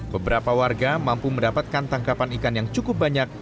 beberapa warga mampu mendapatkan tangkapan ikan yang cukup banyak